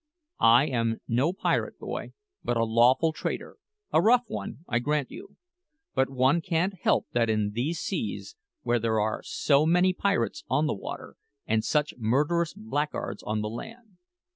I am no pirate, boy, but a lawful trader a rough one, I grant you; but one can't help that in these seas, where there are so many pirates on the water and such murderous blackguards on the land.